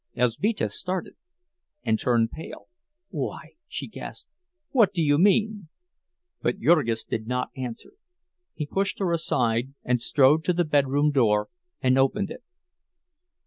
Elzbieta started, and turned pale. "Why!" she gasped. "What do you mean?" But Jurgis did not answer. He pushed her aside, and strode to the bedroom door and opened it.